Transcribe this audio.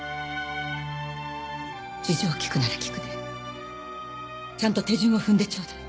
事情を聞くなら聞くでちゃんと手順を踏んでちょうだい。